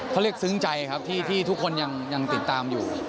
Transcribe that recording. เขาเรียกซึ้งใจครับที่ทุกคนยังติดตามอยู่